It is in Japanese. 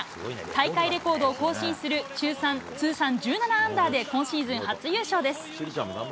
大会レコードを更新する、通算１７アンダーで今シーズン初優勝です。